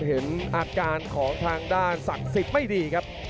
เห็นอาการของทางด้านศักดิ์สิทธิ์ไม่ดีครับ